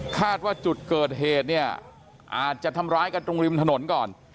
คาดว่าจุดเกิดเหตุเนี่ยอาจจะทำร้ายกันตรงริมถนนก่อน